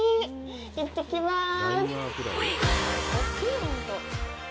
行ってきます。